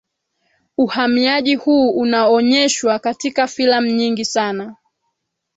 uhamiaji huu unaonyeshwa katika filamu nyingi sana